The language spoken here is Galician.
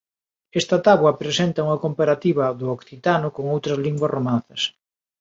Esta táboa presenta unha comparativa do occitano con outras linguas romances.